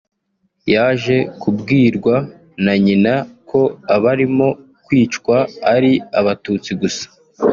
yaje kubwirwa na nyina ko abarimo kwicwa ari Abatutsi gusa